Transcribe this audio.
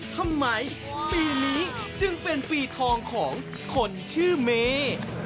ทำไมปีนี้จึงเป็นปีทองของคนชื่อเมย์